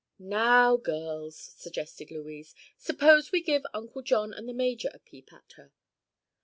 "Now, girls," suggested Louise, "suppose we give Uncle John and the major a peep at her."